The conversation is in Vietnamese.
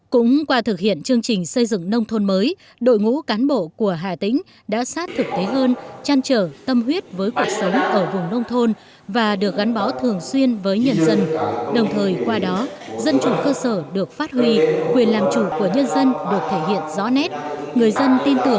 cũng qua thực hiện chương trình xây dựng nông thôn mới các cấp ủy đảng đã huy động được cả hệ thống chính trị và các tầng lớp nhân dân vào cuộc đồng bộ quyết liệt với những giải pháp cách làm bài bản sáng tạo